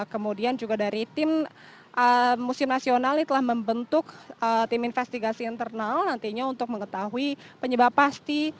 kemudian juga dari tim museum nasional ini telah membentuk tim investigasi internal nantinya untuk mengetahui penyebab pasti